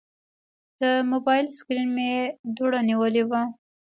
د موبایل سکرین مې دوړه نیولې وه.